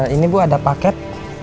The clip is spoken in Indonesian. ini bu ada paket